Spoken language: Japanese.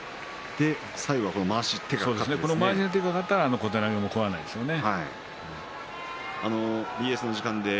まわしに手がかかったら小手投げは食わないですよね。